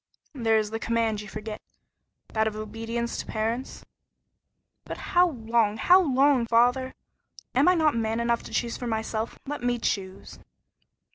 "There is the command you forget; that of obedience to parents." "But how long how long, father? Am I not man enough to choose for myself? Let me choose."